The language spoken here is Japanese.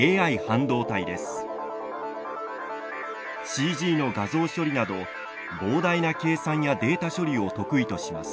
ＣＧの画像処理など膨大な計算やデータ処理を得意とします。